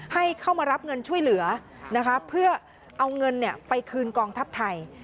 ให้เข้ามารับเงินช่วยเหลือนะคะเพื่อเอาเงินไปคืนกองทัพไทย